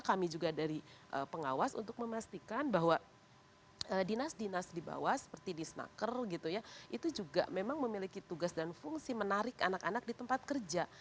kami juga dari pengawas untuk memastikan bahwa dinas dinas di bawah seperti di snaker gitu ya itu juga memang memiliki tugas dan fungsi menarik anak anak di tempat kerja